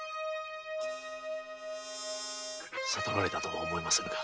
悟られたとは思いませぬが。